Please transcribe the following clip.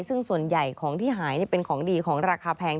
ซึ่งส่วนใหญ่ของที่หายเป็นของดีของราคาแพง